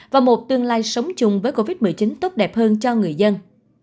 và một tương lai sống chung với covid một mươi chín tốt đẹp hơn cho người dân